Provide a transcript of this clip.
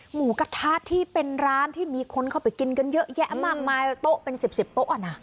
หมูกระทะที่เป็นร้านที่มีคนเข้าไปกินกันเยอะแยะมากมายโต๊ะเป็น๑๐โต๊ะนะ